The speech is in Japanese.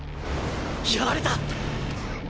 やられた！